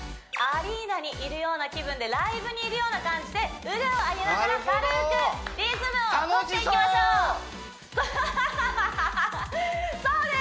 アリーナにいるような気分でライブにいるような感じで腕を上げながら軽くなるほどリズムをとっていきましょう楽しそう！